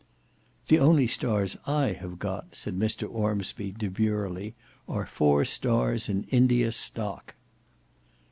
"The only stars I have got," said Mr Ormsby demurely, "are four stars in India stock."